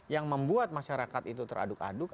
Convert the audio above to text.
yang membuat masyarakat itu teraduk aduk